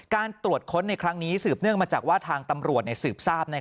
การตรวจค้นในครั้งนี้สืบเนื่องมาจากว่าทางตำรวจสืบทราบ